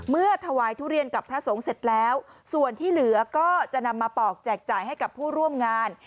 เมื่อถวายทุเรียนกับพระสงฆ์เสร็จแล้วส่วนที่เหลือก็จะนำมาปอกแจกจ่ายให้กับผู้ร่วมงาน